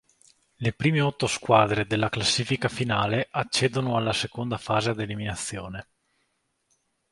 Le prime otto squadre della classifica finale accedono alla seconda fase ad eliminazione.